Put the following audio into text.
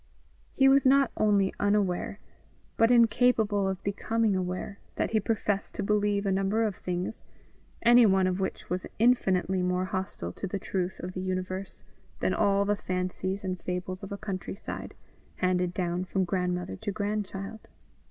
He was not only unaware, but incapable of becoming aware, that he professed to believe a number of things, any one of which was infinitely more hostile to the truth of the universe, than all the fancies and fables of a countryside, handed down from grandmother to grandchild.